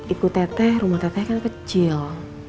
ikut tete rumah tete kan kecil